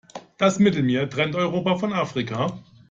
Das Mittelmeer trennt Europa von Afrika.